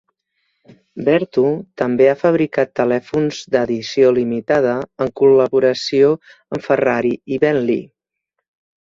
Vertu també ha fabricat telèfons d'edició limitada en col·laboració amb Ferrari i Bentley.